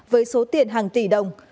với số tiền hàng tỷ đồng